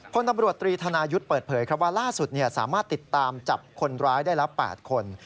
พลตำรวจตรีธนายุทธ์เปิดเผยครับว่าล่าสุดสามารถติดตามจับคนร้ายได้แล้ว๘คน